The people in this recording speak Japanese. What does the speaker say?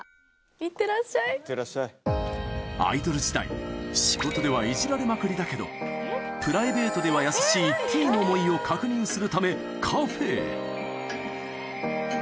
いってらっしゃい。アイドル時代、仕事ではいじられまくりだけど、プライベートでは優しいＴの思いを確認するため、カフェへ。